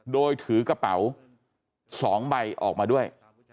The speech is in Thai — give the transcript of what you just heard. โดยถือกระเป๋า๒ใบออกมาด้วย